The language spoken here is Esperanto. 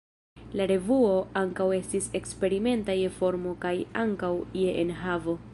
La revuo ankaŭ estis eksperimenta je formo kaj ankaŭ je enhavo.